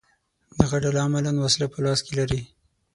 دغه ډله عملاً وسله په لاس کې لري